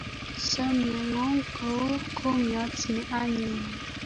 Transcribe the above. Chamyengung ko u kumnyat ne anyiny